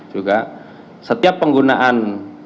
juga setiap penggunaan